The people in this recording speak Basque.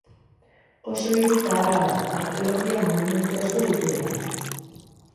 Oso hiri zaharra da, arkeologia-monumentu asko dituena.